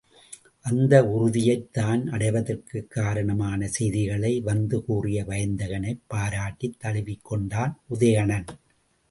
அந்த உறுதியைத் தான் அடைவதற்குக் காரணமான செய்திகளை வந்து கூறிய வயந்தகனைப் பாராட்டித் தழுவிக் கொண்டான் உதயணன்.